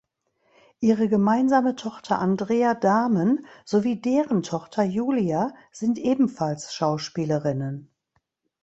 Ihre gemeinsame Tochter Andrea Dahmen sowie deren Tochter Julia sind ebenfalls Schauspielerinnen.